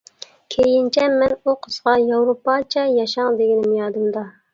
كېيىنچە مەن ئۇ قىزغا «ياۋروپاچە ياشاڭ» دېگىنىم يادىمدا.